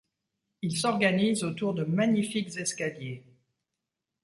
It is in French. Il s'organise autour de magnifiques escaliers.